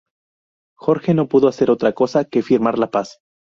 Jorge no pudo hacer otra cosa que firmar la paz.